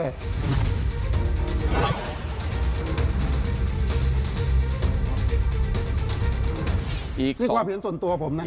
นี่ความเปลี่ยนส่วนตัวผมนะ